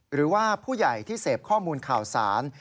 หรือว่าผู้ใหญ่ที่เสพข้อมูลข่าวสาร